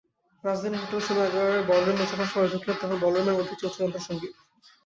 রাজধানীর হোটেল সোনারগাঁওয়ের বলরুমে যখন সবাই ঢুকলেন, তখন বলরুমের মধ্যেই চলছে যন্ত্রসংগীত।